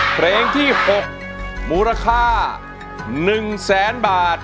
เพลงที่๖มูลค่า๑แสนบาท